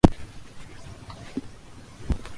ジャニーズ事務所